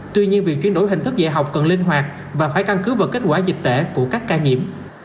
tuy nhiên việc chuyển đổi hình thức dạy học cần linh hoạt và phải căn cứ vào kết quả dịch tễ của các ca nhiễm